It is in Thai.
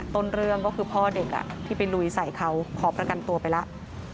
ต้นเรื่องก็คือพ่อเด็กที่ไปลุยใส่เขาขอประกันตัวไปแล้ว